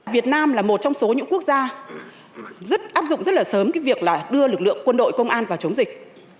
việt nam là một trong số những quốc gia áp dụng rất là sớm việc đưa lực lượng quân đội công an vào chống dịch